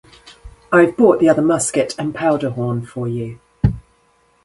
I've brought the other musket and powder-horn for you.